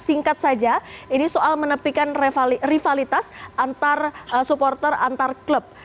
singkat saja ini soal menepikan rivalitas antar supporter antar klub